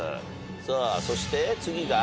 さあそして次が。